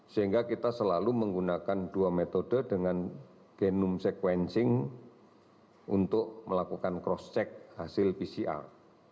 sehingga kita selalu menggunakan dua metode dengan genome sequencing untuk melakukan cross check hasil pcr